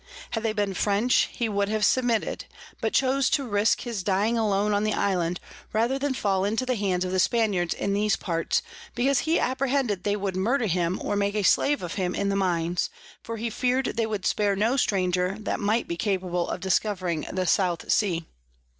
Had they been French, he would have submitted; but chose to risque his dying alone on the Island, rather than fall into the hands of the Spaniards in these parts, because he apprehended they would murder him, or make a Slave of him in the Mines, for he fear'd they would spare no Stranger that might be capable of discovering the South Sea.